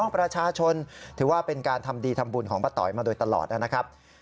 ประชาชนถือว่าเป็นการทำดีทำบุญของป้าต๋อยมาโดยตลอดนะครับ